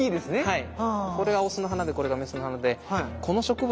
はい。